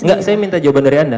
enggak saya minta jawaban dari anda